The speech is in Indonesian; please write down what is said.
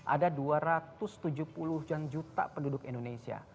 ada dua ratus tujuh puluh juta penduduk indonesia